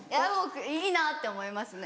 いいなって思いますね